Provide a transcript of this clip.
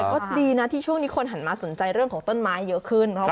ก็ดีนะที่ช่วงนี้คนหันมาสนใจเรื่องของต้นไม้เยอะขึ้น